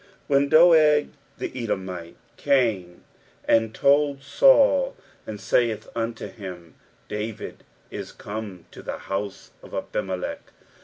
When ttaeg the Edotoite came and told Saul, and aaith nnto him, David is come to the hooiie of Ahimalecb.